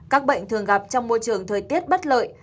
các bệnh thường gặp trong môi trường thời tiết bất lợi